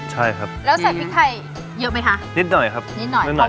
ใช่ครับแล้วใส่พริกไทยเยอะไหมคะนิดหน่อยครับนิดหน่อยนิดหน่อย